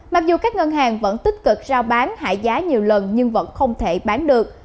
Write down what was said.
mặc dù các ngân hàng vẫn tích cực rao bán hạ giá nhiều lần nhưng vẫn không thể bán được